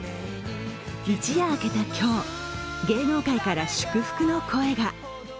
一夜明けた今日、芸能界から祝福の声が。